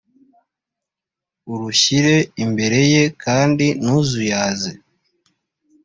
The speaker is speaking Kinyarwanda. urushyire imbere ye kandi ntuzuyaze